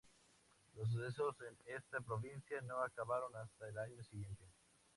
Los sucesos en esta provincia no acabaron hasta el año siguiente.